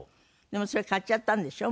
でもそれ買っちゃったんでしょ。